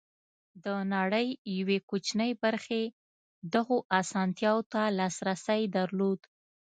د نړۍ یوې کوچنۍ برخې دغو اسانتیاوو ته لاسرسی درلود.